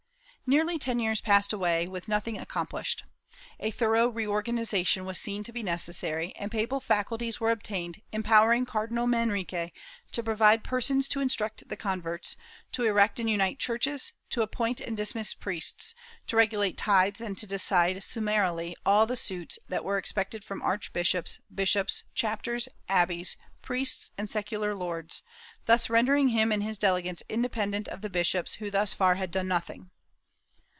^ Nearly ten years passed away with nothing accomplished. A thorough reorganization was seen to be necessary, and papal faculties were obtained empowering Cardinal Manrique to provide persons to instruct the converts, to erect and unite churches, to appoint and dismiss priests, to regulate tithes and to decide sum marily all the suits that were expected from archbishops, bishops, chapters, abbeys, priests and secular lords, thus rendering him and his delegates independent of the bishops who thus far had done nothing.